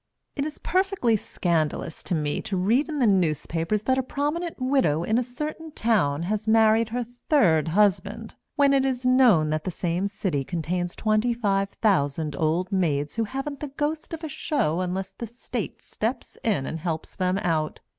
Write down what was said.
It is perfectly scandalous to me to read in the newspapers that a prominent widow in a certain town has married her third husband, when it is known that that same city contains 25,000 old maids who haven't the ghost of a show unless the State steps in and helps them out.